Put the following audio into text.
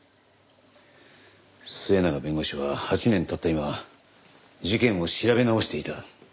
末永弁護士は８年経った今事件を調べ直していた。